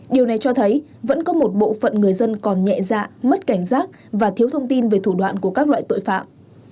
điều này cho thấy vẫn có một bộ phận người dân còn nhẹ dạ mất cảnh giác và thiếu thông tin về thủ đoạn của các loại tội phạm